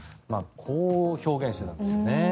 こう表現していたんですよね。